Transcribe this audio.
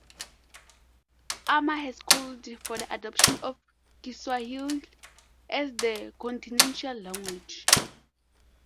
Armah has called for the adoption of Kiswahili as the continental language.